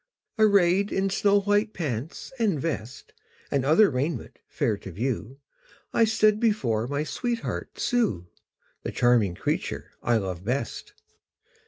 Arrayed in snow white pants and vest, And other raiment fair to view, I stood before my sweetheart Sue The charming creature I love best.